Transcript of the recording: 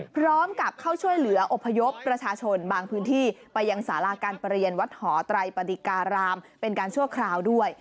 พร้อมกับเข้าช่วยเหลืออพยพประชาชนบางพื้นที่ไปยังสาราการประเรียนวัดหอไตรปฏิการามเป็นการชั่วคราวด้วย